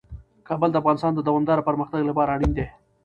کابل د افغانستان د دوامداره پرمختګ لپاره اړین دي.